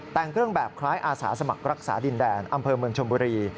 แต่งเครื่องแบบคล้ายอาสาสมัครรักษาดินแดนอำเภอเมืองชมบุรี